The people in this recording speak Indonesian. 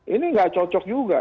ini nggak cocok juga